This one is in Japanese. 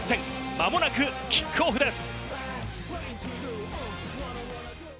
間もなくキックオフです。